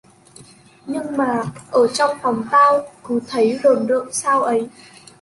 Nhưng mà ở trong phòng tao cứ thầy rờn rợn sao ấy